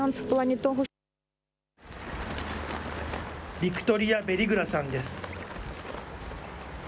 ビクトリヤ・ベリグラさんです。